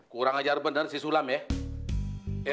kurang ajar bener si sulam ya